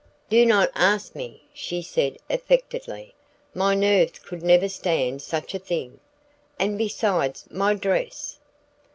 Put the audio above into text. "Do not ask me," she said affectedly; "my nerves would never stand such a thing! And besides my dress!"